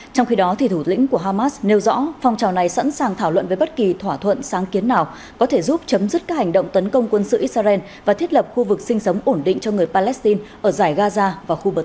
trong khi đó thủ lĩnh của hamas nêu rõ phong trào này sẵn sàng thảo luận với bất kỳ thỏa thuận sáng kiến nào có thể giúp chấm dứt các hành động tấn công quân sự israel và thiết lập khu vực sinh sống ổn định cho người palestine ở giải gaza và khu bờ tây